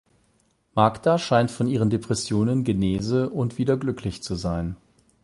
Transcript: Magda scheint von ihren Depressionen genese und wieder glücklich zu sein.